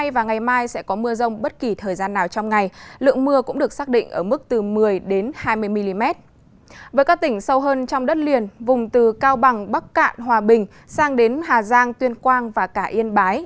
với các tỉnh sâu hơn trong đất liền vùng từ cao bằng bắc cạn hòa bình sang đến hà giang tuyên quang và cả yên bái